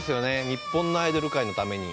日本のアイドル界のために。